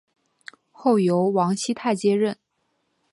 后由王熙泰接任。